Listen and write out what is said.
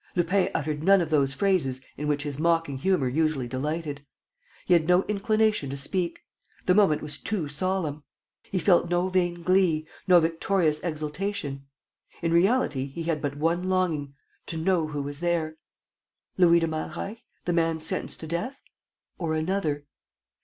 Lupin uttered none of those phrases in which his mocking humor usually delighted. He had no inclination to speak. The moment was too solemn. He felt no vain glee, no victorious exaltation. In reality, he had but one longing, to know who was there: Louis de Malreich, the man sentenced to death, or another?